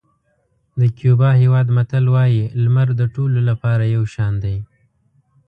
د کیوبا هېواد متل وایي لمر د ټولو لپاره یو شان دی.